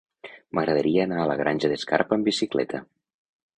M'agradaria anar a la Granja d'Escarp amb bicicleta.